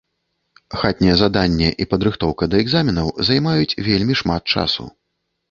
Хатняе заданне і падрыхтоўка да экзаменаў займаюць вельмі шмат часу.